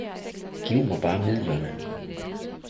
Giv mig bare midlerne!